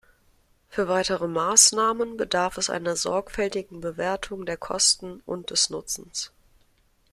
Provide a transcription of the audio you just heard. Für weitere Maßnahmen bedarf es einer sorgfältigen Bewertung der Kosten und des Nutzens.